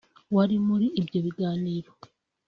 wari muri ibyo biganiro